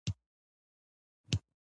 د ریښتیني دوست خوند د ژوند ښکلا ده.